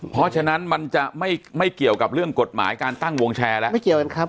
เพราะฉะนั้นมันจะไม่เกี่ยวกับเรื่องกฎหมายการตั้งวงแชร์แล้วไม่เกี่ยวกันครับ